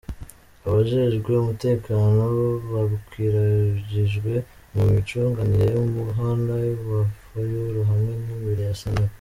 Abajejwe umutekano bakwiragijwe mu micungararo y'umuhana wa Fayulu hamwe n'imbere ya sentare.